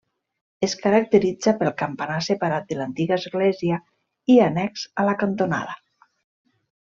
Es caracteritza pel campanar separat de l'antiga església i annex a la cantonada.